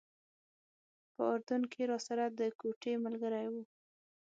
په اردن کې راسره د کوټې ملګری و.